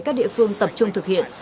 các địa phương tập trung thực hiện